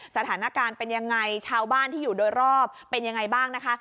สถานการณ์เป็นยังไงชาวบ้านที่อยู่โดยรอบเป็นยังไงบ้างนะคะ